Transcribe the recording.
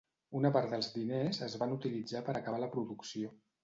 Una part dels diners es va utilitzar per acabar la producció.